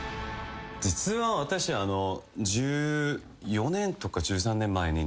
実は私１４年とか１３年前に。